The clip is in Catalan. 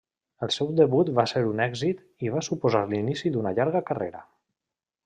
El seu debut va ser un èxit i va suposar l'inici d'una llarga carrera.